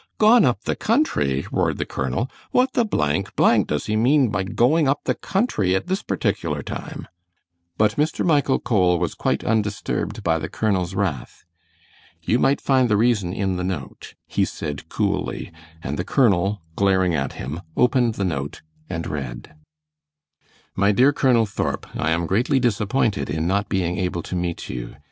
"Gone up the country!" roared the colonel; "what the blank, blank, does he mean by going up the country at this particular time?" But Mr. Michael Cole was quite undisturbed by the colonel's wrath. "You might find the reason in the note," he said, coolly, and the colonel, glaring at him, opened the note and read: "MY DEAR COLONEL THORP: I am greatly disappointed in not being able to meet you.